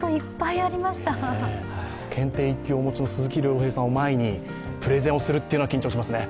検定１級お持ちの鈴木亮平さんを前にプレゼンをするのは緊張しますね。